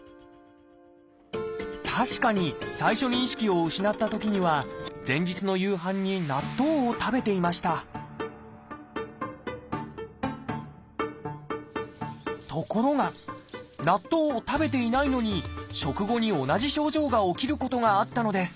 確かに最初に意識を失ったときには前日の夕飯に納豆を食べていましたところが納豆を食べていないのに食後に同じ症状が起きることがあったのです。